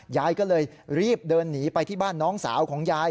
ยายก็เลยรีบเดินหนีไปที่บ้านน้องสาวของยาย